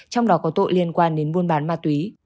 trong đó có tội liên quan đến buôn bán ma túy